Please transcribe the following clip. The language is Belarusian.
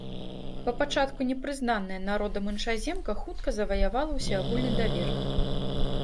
Па пачатку не прызнаная народам іншаземка хутка заваявала ўсеагульны давер.